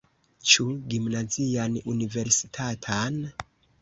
Ĉu gimnazian, universitatan?